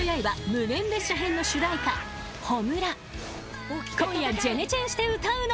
無限列車編』の主題歌『炎』］